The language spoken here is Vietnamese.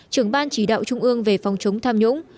trưởng ban chỉ đạo trung ương về phòng chống tham nhũng